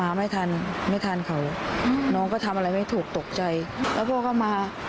อืมเป็นครั้งสุดท้ายที่ได้ได้ไหม